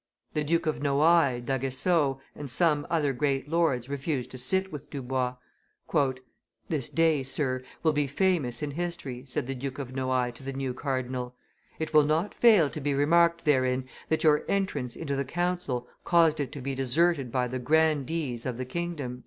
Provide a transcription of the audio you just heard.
The Duke of Noailles, d'Aguesseau, and some other great lords refused to sit with Dubois. "This day, sir, will be famous in history," said the Duke of Noailles to the new cardinal; "it will not fail to be remarked therein that your entrance into the council caused it to be deserted by the grandees of the kingdom."